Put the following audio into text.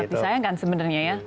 sangat disayangkan sebenarnya ya